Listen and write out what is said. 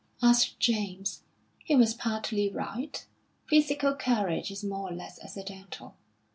asked James. "He was partly right. Physical courage is more or less accidental.